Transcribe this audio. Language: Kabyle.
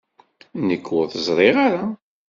Nekk ur t-ẓriɣ ara.